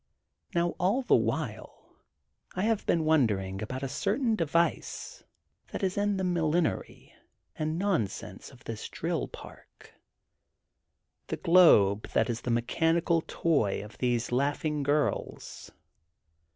Now all the while I have been wondering about a certain device that is the millinery and nonsense of this drill park, the globe that is the mechanical toy of these laughing girls.